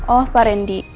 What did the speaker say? oh pak randy